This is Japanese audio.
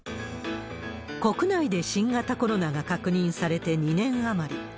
国内で新型コロナが確認されて２年余り。